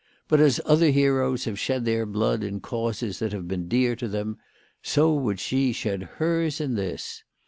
But, as other heroes have shed their blood in causes that have been dear to them, so would she shed hers in this.